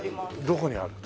どこにある？